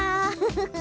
フフフ。